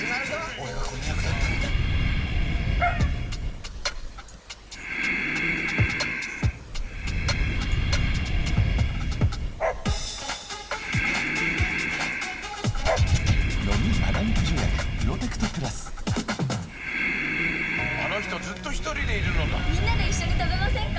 俺がこの役だったのにあの人ずっとひとりでいるのだみんなで一緒に食べませんか？